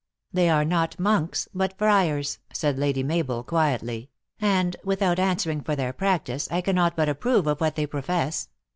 " They are not monks, but friars," said Lady Mabel quietly, " and, without answering for their practice, I cannot but approve of what they profess.